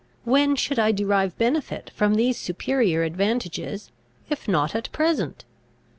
When should I derive benefit from these superior advantages, if not at present?"